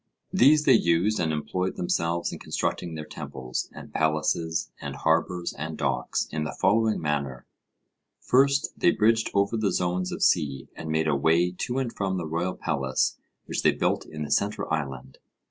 These they used, and employed themselves in constructing their temples, and palaces, and harbours, and docks, in the following manner: First, they bridged over the zones of sea, and made a way to and from the royal palace which they built in the centre island.